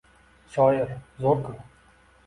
— Shoir? Zo‘r-ku!